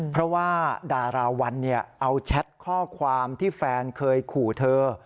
เพราะว่าดาราวันเอาแชทข้อความที่แฟนเคยขู่เธอ